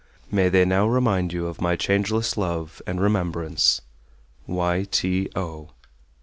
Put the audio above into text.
MAY THEY NOW REMIND YOU OF MY CHANGELESS LOVE AND REMEMBRANCE. Y. T. O.